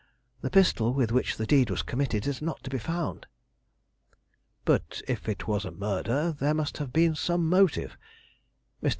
The pistol with which the deed was committed is not to be found." "But if it was a murder, there must have been some motive. Mr.